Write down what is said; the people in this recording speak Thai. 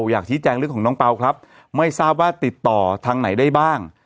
อยากชี้แจงเรื่องของน้องเปล่าครับไม่ทราบว่าติดต่อทางไหนได้บ้าง